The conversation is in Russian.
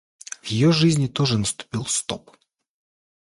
в ее жизни тоже наступил стоп.